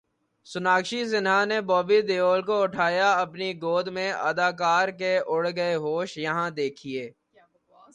سوناکشی سنہا نے بابی دیول کو اٹھایا اپنی گود میں اداکار کے اڑ گئے ہوش، یہاں دیکھئے